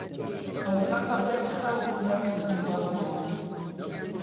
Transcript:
Obubaka bw'ekisawo bulina okufunibwa buli omu